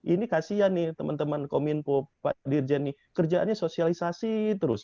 ini kasian nih teman teman kominfo pak dirjen nih kerjaannya sosialisasi terus